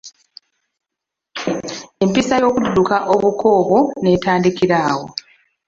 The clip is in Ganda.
Empisa y'okudduka obuko obwo n'etandikira awo.